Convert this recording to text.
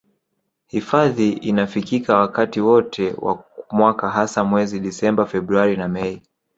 Hifadhi inafikika wakati wote wa mwaka hasa mwezi disemba februari na mei